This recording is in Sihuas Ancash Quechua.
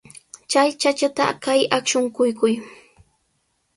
Chay chachata kay akshun quykuy.